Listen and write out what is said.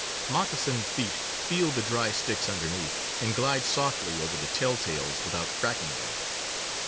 Moccasined feet feel the dry sticks underneath, and glide softly over the telltales without cracking them.